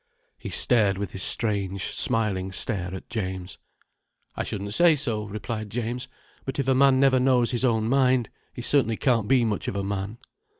He stared with his strange, smiling stare at James. "I shouldn't say so," replied James. "But if a man never knows his own mind, he certainly can't be much of a man."